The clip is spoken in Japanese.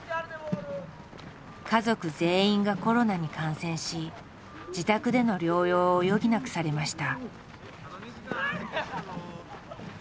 家族全員がコロナに感染し自宅での療養を余儀なくされました。